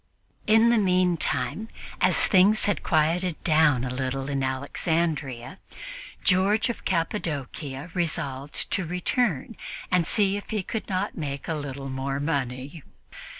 In the meantime, as things had quieted down a little in Alexandria, George of Cappadocia resolved to return and see if he could not make a little more money.